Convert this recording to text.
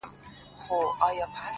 ما خو څو واره ازمويلى كنه _